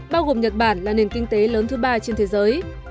bao gồm nhật bản là nền kinh tế lớn thứ ba trên thế giới